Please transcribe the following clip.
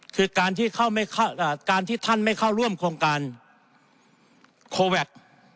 คือการที่ท่านไม่เข้าร่วมโครงการโคแวค